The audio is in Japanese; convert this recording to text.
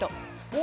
お！